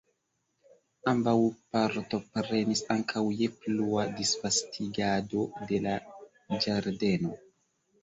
Ambaŭ partoprenis ankaŭ je plua disvastigado de la ĝardeno.